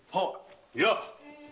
いや！